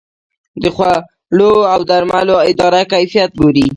د خوړو او درملو اداره کیفیت ګوري